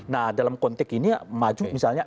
nah dalam konteks ini maju misalnya